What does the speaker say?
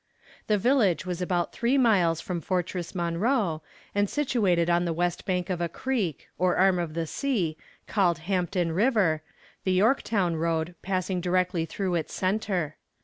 The village was about three miles from Fortress Monroe, and situated on the west side of a creek, or arm of the sea, called Hampton river, the Yorktown road passing directly through its center.